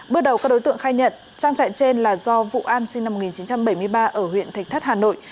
bước đầu các đối tượng khai nhận trang trại trên là do vụ an sinh năm một nghìn chín trăm bảy mươi ba ở huyện thạch thất hà nội